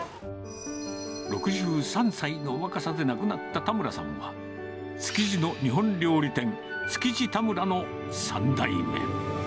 ６３歳の若さで亡くなった田村さんは、築地の日本料理店、つきぢ田村の３代目。